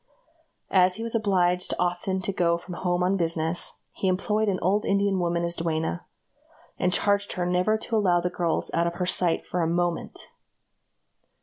As he was obliged often to go from home on business, he employed an old Indian woman as duenna, and charged her never to allow the girls out of her sight for a moment.